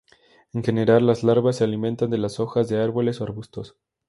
En general las larvas se alimentan de las hojas de árboles o arbustos.